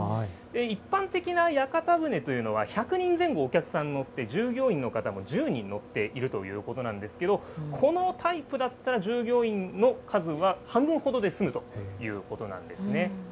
一般的な屋形船というのは、１００人前後お客さん乗って、従業員の方も１０人乗っているということなんですけれども、このタイプだったら従業員の数は半分ほどで済むということなんですね。